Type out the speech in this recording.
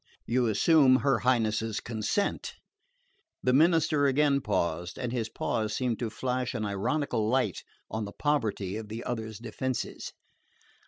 "You assume her Highness's consent." The minister again paused; and his pause seemed to flash an ironical light on the poverty of the other's defences.